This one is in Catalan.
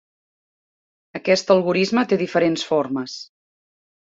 Aquest algorisme té diferents formes.